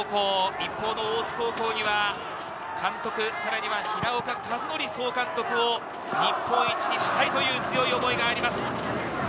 一方の大津高校には監督、さらには平岡和徳総監督を日本一にしたいという強い思いがあります。